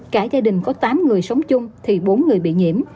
cả gia đình có tám người sống chung thì bốn người bị nhiễm